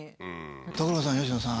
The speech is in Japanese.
所さん佳乃さん。